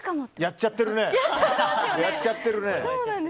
やっちゃってるね。